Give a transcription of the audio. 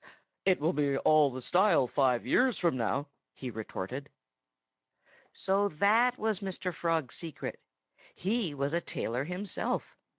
"It'll be all the style five years from now," he retorted. So that was Mr. Frog's secret! He was a tailor himself!